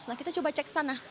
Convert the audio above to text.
nah kita coba cek sana